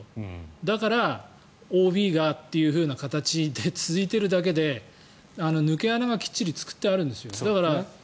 だから、ＯＢがっていう形で続いているだけで抜け穴がきっちり作ってあるんですよ。